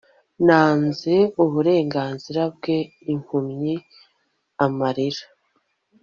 Nanze uburenganzira bwe impumyi amarira